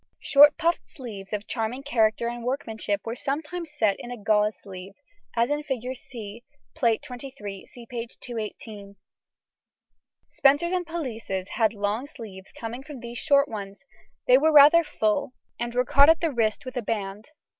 Short puffed sleeves of charming character and workmanship were sometimes set in a gauze sleeve, as in Fig. C, Plate XXIII (see p. 218). Spencers and pelisses had long sleeves coming from these short ones; they were rather full, and were caught at the wrist with a band.